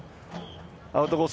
アウトコース